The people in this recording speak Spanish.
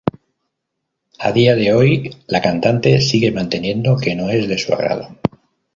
A día de hoy la cantante sigue manteniendo que no es de su agrado.